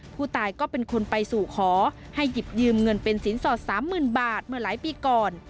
ผู้ตายก็เป็นคนไปสู่ขอให้หยิบยืมเงินเป็นสินสอด๓๐๐๐บาทเมื่อหลายปีก่อน